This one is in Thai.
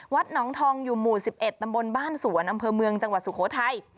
วัดหนองทองอยู่หมู่๑๑ตำบลบ้านสวนอำเภอเมืองจังหวัดสุโขทัย